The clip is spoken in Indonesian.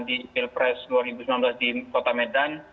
di pilpres dua ribu sembilan belas di kota medan